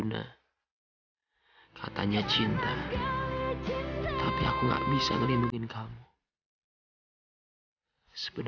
dewi yang bisa ngerawat ibu